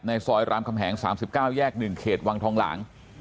ซอยรามคำแหง๓๙แยก๑เขตวังทองหลาง